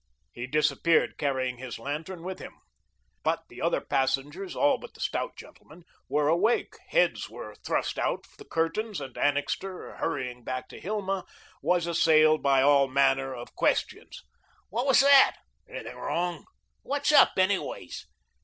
He disappeared, carrying his lantern with him. But the other passengers, all but the stout gentleman, were awake; heads were thrust from out the curtains, and Annixter, hurrying back to Hilma, was assailed by all manner of questions. "What was that?" "Anything wrong?" "What's up, anyways?"